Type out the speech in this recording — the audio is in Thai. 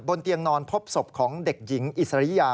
เตียงนอนพบศพของเด็กหญิงอิสริยา